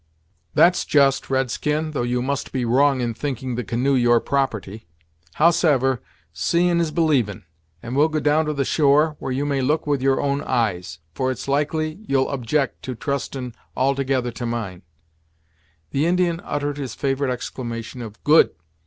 "That's just, red skin; thought you must be wrong in thinking the canoe your property. Howsever, seein' is believin', and we'll go down to the shore, where you may look with your own eyes; for it's likely you'll object to trustin' altogether to mine." The Indian uttered his favorite exclamation of "Good!"